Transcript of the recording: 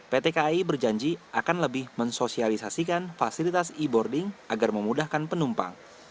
pt kai berjanji akan lebih mensosialisasikan fasilitas e boarding agar memudahkan penumpang